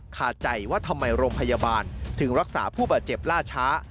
ขาดใจว่าทำไมโรงพยาบาลถึงรักษาผู้บาดเจ็บล่าช้า